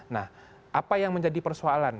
nah apa yang menjadi persoalan